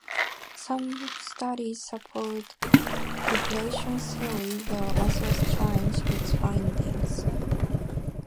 Some studies support vibration theory while others challenge its findings.